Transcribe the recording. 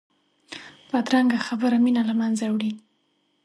بدرنګه خبره مینه له منځه وړي